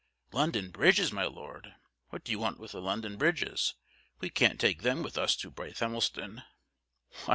"London Bridges! my Lord. What do you want with the London Bridges. We can't take them with us to Brighthelmston."